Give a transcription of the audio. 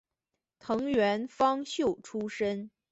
藤原芳秀出身。